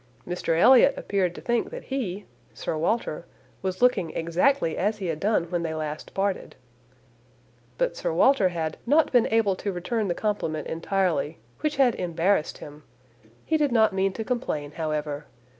Mr Elliot appeared to think that he (Sir Walter) was looking exactly as he had done when they last parted;" but Sir Walter had "not been able to return the compliment entirely, which had embarrassed him. He did not mean to complain, however.